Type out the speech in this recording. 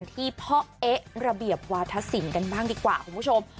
ที่พ่อเอ๊ะระเบียบวาธศิลป์กันบ้างดีกว่าคุณผู้ชม